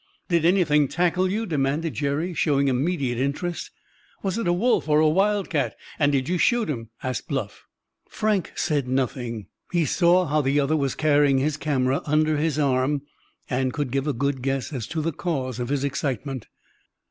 "Did anything tackle you?" demanded Jerry, showing immediate interest. "Was it a wolf or a wildcat; and did you shoot him?" asked Bluff. Frank said nothing. He saw how the other was carrying his camera under his arm, and could give a good guess as to the cause of his excitement.